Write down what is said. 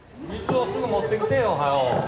水をすぐ持ってきてよ早う！